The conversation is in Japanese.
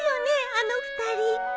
あの２人。